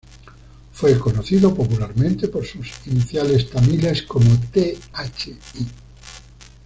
Fue conocido popularmente por sus iniciales tamiles como Thi.